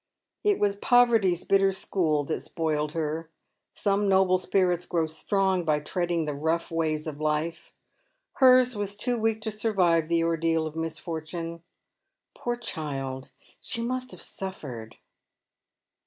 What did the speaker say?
It was poverty's bitter school that spoiled her. Some noble spirits grow strong by ti eading the rough ways of life — hers was too weak to survive the ordeal of mis fortune. Poor child, she must have suffered